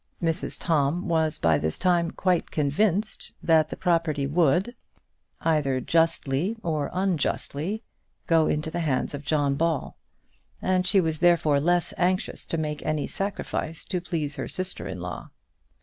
Mrs Tom was by this time quite convinced that the property would, either justly or unjustly, go into the hands of John Ball, and she was therefore less anxious to make any sacrifice to please her sister in law.